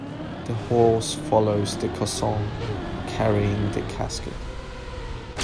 The horse follows the caisson carrying the casket.